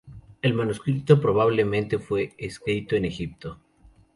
El manuscrito probablemente fue escrito en Egipto.